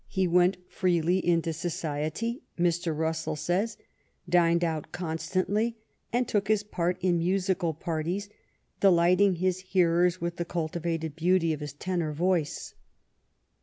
" He went freely into society," Mr. Russell says, " dined out constantly, and took his part in musical parties, delighting his hearers with the cultivated beauty of his tenor voice."